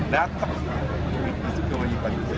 datang itu kewajiban kita